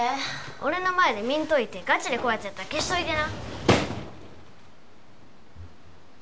俺の前で見んといてガチで怖いやつやったら消しといてな